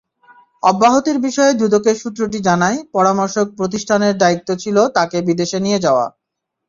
অব্যাহতির বিষয়ে দুদকের সূত্রটি জানায়, পরামর্শক প্রতিষ্ঠানের দায়িত্ব ছিল তাঁকে বিদেশে নিয়ে যাওয়ার।